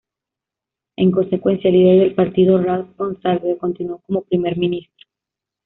En consecuencia, el líder del partido Ralph Gonsalves continuó como Primer Ministro.